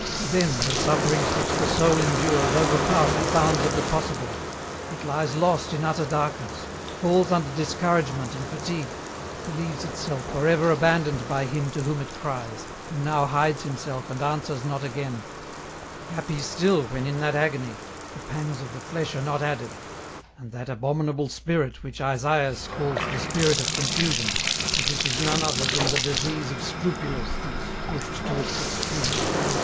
" Then the sufferings which the soul endures overpass the bounds of the possible, it lies lost in utter darkness, falls under discouragement and fatigue, believes itself for ever abandoned by Him to whom it cries, who now hides Himself and answers not again, happy still when in that agony, the pangs of the flesh are not added, and that abominable spirit which Isaias calls the spirit of confusion, and which is none other than the disease of scrupulousness pushed to its extreme.